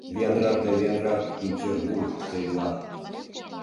Виянрак да виянрак пӱнчер вуй сӧйла.